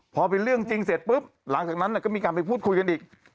พอเป็นเรื่องจริงเสร็จปุ๊บหลังจากนั้นก็มีการไปพูดคุยกันอีก